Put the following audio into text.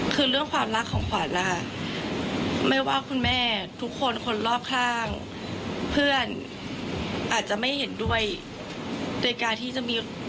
เดี๋ยวจะทำมาเยียวยาจะความเรื่องฝั่นอะไรมันจะดีขึ้นอย่างงั้น